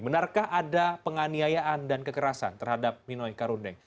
benarkah ada penganiayaan dan kekerasan terhadap nino ika rundeng